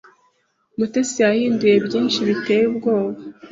Mutesi yahinduye byinshi biteye ubwoba.